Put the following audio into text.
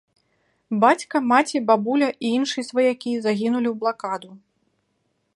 Бацька, маці, бабуля і іншыя сваякі загінулі ў блакаду.